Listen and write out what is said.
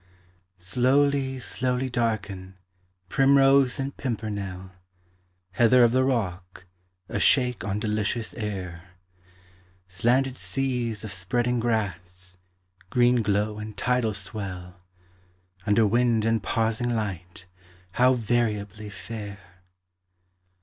Slowly, slowly darken Primrose and pimpernel; Heather of the rock, a shake On delicious air; Slanted seas of spreading grass, (Green glow and tidal swell,) Under wind and pausing light how variably fair!